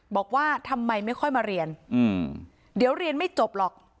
บอกว่าทำไมไม่ค่อยมาเรียนเดี๋ยวเรียนไม่จบหรอก